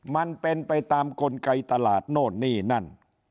มันเป็นไปตามกลไกตลาดโน่นนี่นั่น